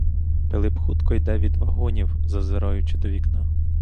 Пилип хутко йде від вагонів, зазираючи до вікна.